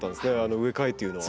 植え替えというのは。